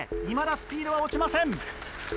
いまだスピードは落ちません。